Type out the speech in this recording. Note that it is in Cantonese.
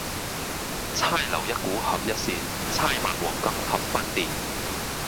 釵留一股合一扇，釵擘黃金合分鈿。